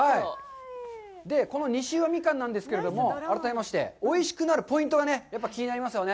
この西宇和みかんなんですけども、改めまして、おいしくなるポイントがやっぱり気になりますよね。